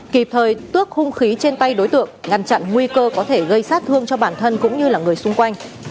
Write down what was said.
kịp thời tước hung khí trên tay đối tượng ngăn chặn nguy cơ có thể gây sát thương cho bản thân cũng như là người xung quanh